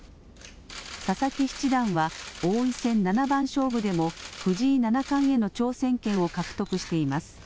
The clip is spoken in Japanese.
佐々木七段は王位戦七番勝負でも藤井七冠への挑戦権を獲得しています。